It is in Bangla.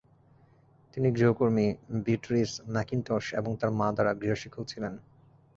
তিনি গৃহকর্মী, বিটরিস ম্যাকিন্টশ এবং তার মা দ্বারা গৃহশিক্ষক ছিলেন।